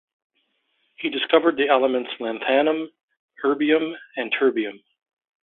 He discovered the elements lanthanum, erbium and terbium.